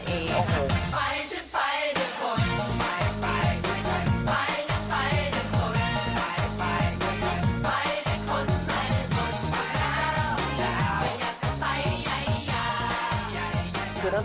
คือตั้งแต่ปอร์อายุเท่าไรครับ